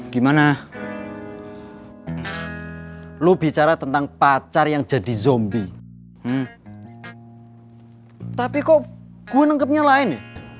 gimana lo bicara tentang pacar yang jadi zombie tapi kok gue nengkepnya lain